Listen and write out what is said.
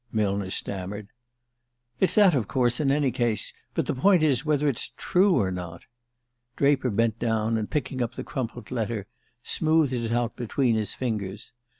Millner stammered. "It's that, of course, in any case. But the point is whether it's true or not." Draper bent down, and picking up the crumpled letter, smoothed it out between his fingers.